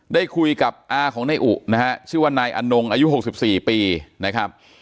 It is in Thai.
ได้คุยกับอาของนายอุนะฮะชื่อว่านายอนงอายุ๖๔ปีนะครับ